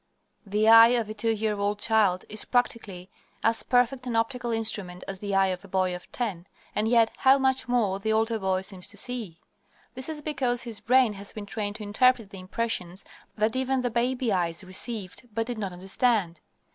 The eye of a two year old child is practically as perfect an optical instrument as the eye of a boy of ten, and yet how much more the older boy seems to see. This is because his brain has been trained to interpret the impressions that even the baby eyes received but did not understand.